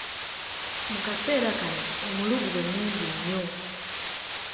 Mu kaseera kano omulugube mungi nnyo.